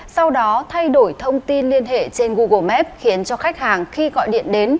sau đó thay đổi thông tin liên hệ trên google maps khiến cho khách hàng khi gọi điện đến